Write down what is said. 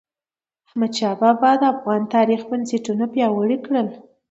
احمدشاه بااب د افغان تاریخ بنسټونه پیاوړي کړل.